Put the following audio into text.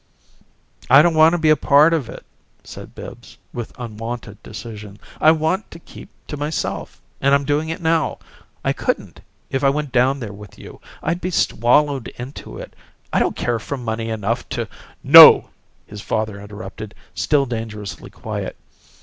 "I don't want to be a part of it," said Bibbs, with unwonted decision. "I want to keep to myself, and I'm doing it now. I couldn't, if I went down there with you. I'd be swallowed into it. I don't care for money enough to " "No," his father interrupted, still dangerously quiet.